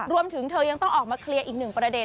รวมถึงเธอยังต้องออกมาเคลียร์อีกหนึ่งประเด็น